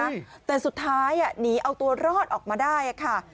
อืมแต่สุดท้ายอ่ะหนีเอาตัวรอดออกมาได้อ่ะค่ะ